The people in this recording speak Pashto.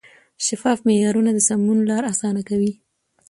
شفاف معیارونه د سمون لار اسانه کوي.